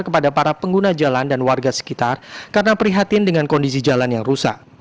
kepada para pengguna jalan dan warga sekitar karena prihatin dengan kondisi jalan yang rusak